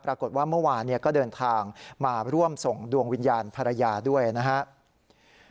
ปรากฏว่าเมื่อวานก็เดินทางมาร่วมส่งดวงวิญญาณภรรยาด้วยนะครับ